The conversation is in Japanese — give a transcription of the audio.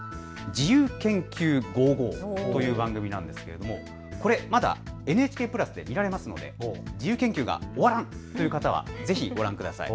自由研究５５という番組なんですがこれまだＮＨＫプラスで見られますので自由研究が終わらんという方はぜひご覧ください。